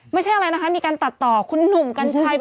ไม่ใช่อะไรนะคะมีการตัดต่อคุณหนุ่มกัญชัย